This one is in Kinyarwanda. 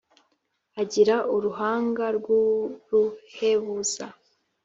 agira uruhanga rw’uruhebuza,